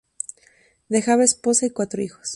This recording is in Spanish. Dejaba esposa y cuatro hijos.